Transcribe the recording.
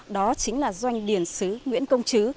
đó chính là doanh điển sứ nguyễn công chứ